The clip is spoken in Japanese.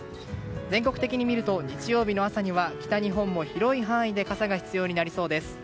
全国的に見ると日曜日の朝には北日本も広い範囲で傘が必要になりそうです。